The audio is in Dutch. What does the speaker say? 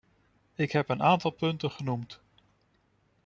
Ik heb een aantal punten genoemd.